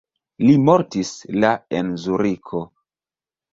Li mortis la en Zuriko.